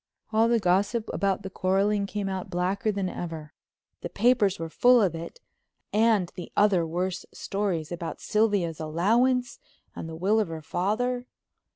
All the gossip about the quarreling came out blacker than ever. The papers were full of it and the other worse stories, about Sylvia's allowance and the will of her father.